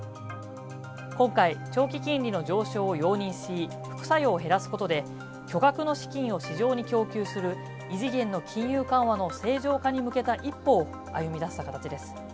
今回、長期金利の上昇を容認し副作用を減らすことで、巨額の資金を市場に供給する異次元の金融緩和の正常化に向けた一歩を歩み出した形です。